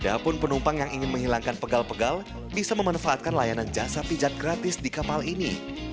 ada pun penumpang yang ingin menghilangkan pegal pegal bisa memanfaatkan layanan jasa pijat gratis di kapal ini